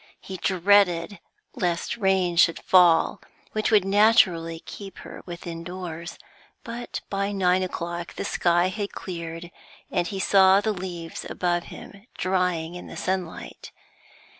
He dreaded lest rain should fall, which would naturally keep her within doors, but by nine o'clock the sky had cleared, and he saw the leaves above him drying in the sunlight.